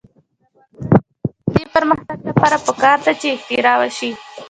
د افغانستان د اقتصادي پرمختګ لپاره پکار ده چې اختراع وشي.